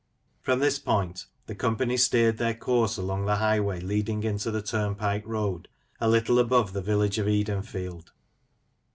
From this point the company steered their course along the highway leading into the turnpike road a little above the village of Edenfield.